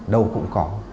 đâu cũng có